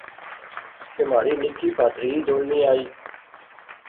کہ مہاڑی نکی پہاتری دوڑنی آئی